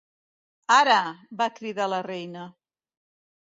"Ara!", va cridar la reina.